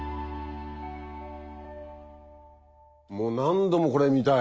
もう何度もこれ見たい。